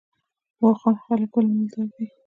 واخان خلک ولې مالدار دي؟